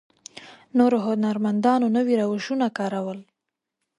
نورو هنرمندانو نوي روشونه کارول.